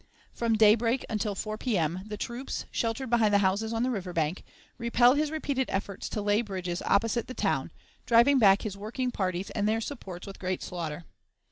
From daybreak until 4 P.M., the troops, sheltered behind the houses on the river bank, repelled his repeated efforts to lay bridges opposite the town, driving back his working parties and their supports with great slaughter.